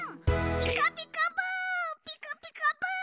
「ピカピカブ！ピカピカブ！」